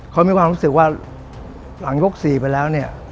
เขามีความรู้สึกว่าหลังยก๔ไปแล้วเนี่ย